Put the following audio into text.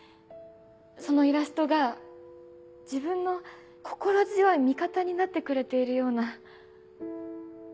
そのイラストが自分の心強い味方になってくれているような。